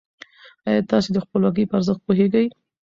ايا تاسې د خپلواکۍ په ارزښت پوهېږئ؟